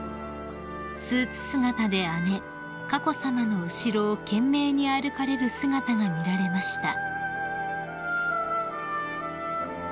［スーツ姿で姉佳子さまの後ろを懸命に歩かれる姿が見られました］